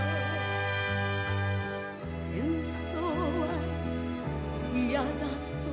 「戦争はいやだと」